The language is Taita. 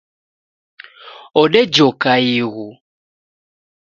Odejoka ighu